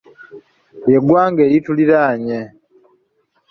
Ly'eggwanga erituliraanye.